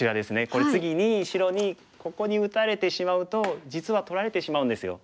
これ次に白にここに打たれてしまうと実は取られてしまうんですよ。